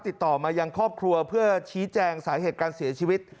ติดต่อมายังครอบครัวเพื่อชี้แจงสาเหตุการเสียชีวิต